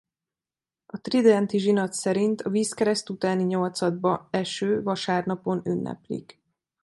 A tridenti zsinat szerint a vízkereszt utáni nyolcadba eső vasárnapon ünneplik.